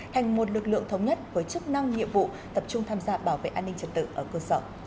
thành một lực lượng thống nhất với chức năng nhiệm vụ tập trung tham gia bảo vệ an ninh trật tự ở cơ sở